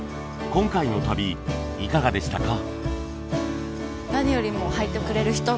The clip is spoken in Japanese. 今回の旅いかがでしたか？